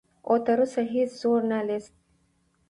او تر اوسه هیڅ ژورنالست